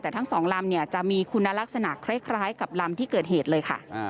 แต่ทั้งสองลำเนี่ยจะมีคุณลักษณะคล้ายกับลำที่เกิดเหตุเลยค่ะ